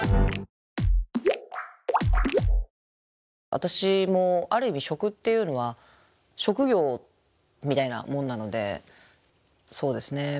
私もある意味食っていうのは職業みたいなもんなのでそうですね